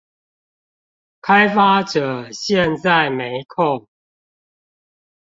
開發者現在沒空